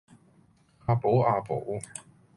啊寶啊寶